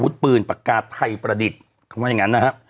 เราก็มีความหวังอะ